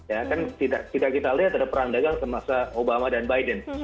ya kan kita lihat ada perang dagang semasa obama dan biden